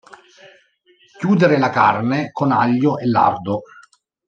Chiudere la carne con aglio e lardo.